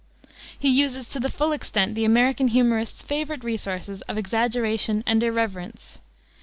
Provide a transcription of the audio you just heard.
He uses to the full extent the American humorist's favorite resources of exaggeration and irreverence.